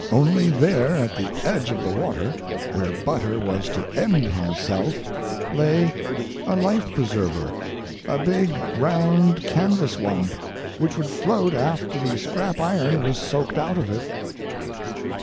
Only there at the edge of the water, where Butter was to end himself, lay a life preserver—a big round canvas one, which would float after the scrap iron was soaked out of it.